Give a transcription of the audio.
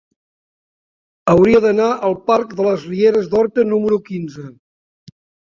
Hauria d'anar al parc de les Rieres d'Horta número quinze.